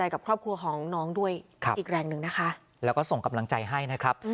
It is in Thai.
กับครอบครัวของน้องด้วยอีกแรงหนึ่งนะคะแล้วก็ส่งกำลังใจให้นะครับ